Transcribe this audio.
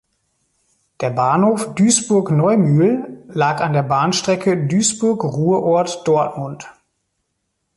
Der Bahnhof "Duisburg-Neumühl" lag an der Bahnstrecke Duisburg-Ruhrort–Dortmund.